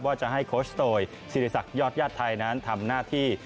ว่าจะให้โคชโตยศิริษักยอดญาติไทยนั้นทำหน้าที่